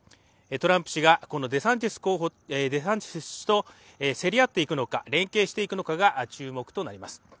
トランプ氏がデサンティス氏と競り合っていくのか、連携していくのかが注目となります。